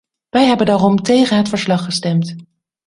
Wij hebben daarom tegen het verslag gestemd.